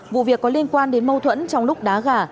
vụ việc có liên quan đến mâu thuẫn trong lúc đá gà